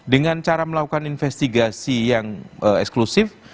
dengan cara melakukan investigasi yang eksklusif